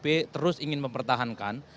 pdip terus ingin mempertahankan